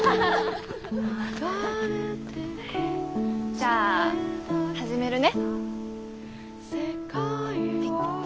じゃあ始めるね。